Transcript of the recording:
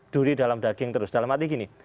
duri dalam daging terus dalam arti gini